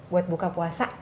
buat buka puasa